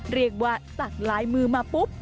เรียกว่าสักล้ายมือมาปุ๊บ